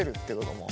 もう。